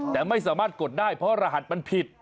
แต่ไม่สามารถกดได้เพราะรหัสมันผิด